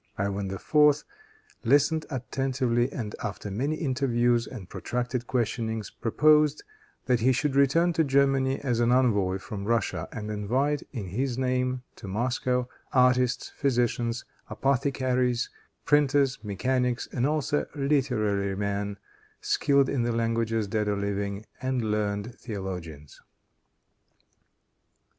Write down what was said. Ivan IV. listened attentively, and after many interviews and protracted questionings, proposed that he should return to Germany as an envoy from Russia, and invite, in his name, to Moscow, artists, physicians, apothecaries, printers, mechanics, and also literary men, skilled in the languages, dead or living, and learned theologians.